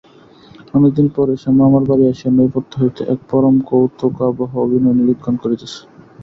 অনেক দিন পরে সে মামার বাড়ি আসিয়া নেপথ্য হইতে এক পরমকৌতুকাবহ অভিনয় নিরীক্ষণ করিতেছে।